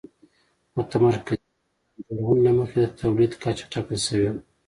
متمرکزې پلان جوړونې له مخې د تولید کچه ټاکل شوې وه.